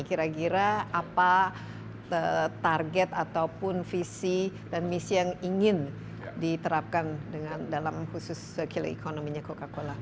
kira kira apa target ataupun visi dan misi yang ingin diterapkan dalam khusus circular economy nya coca cola